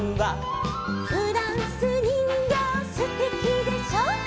「フランスにんぎょうすてきでしょ」